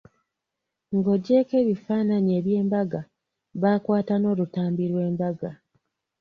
Ng'ogyeko ebifaananyi eby'embaga, baakwata n'olutambi lw'embaga.